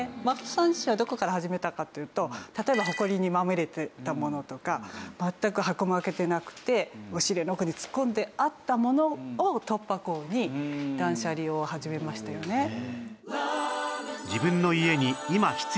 まことさんちはどこから始めたかというと例えばホコリにまみれてたものとか全く箱も開けてなくて押し入れの奥に突っ込んであったものを突破口に断捨離を始めましたよね。